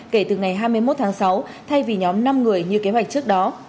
kể từ ngày hai mươi một tháng sáu thay vì nhóm năm người như kế hoạch trước đó